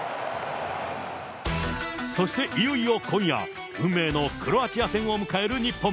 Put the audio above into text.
そしていよいよ今夜、運命のクロアチア戦を迎える日本。